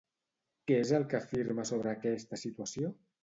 Què és el que afirma sobre aquesta situació?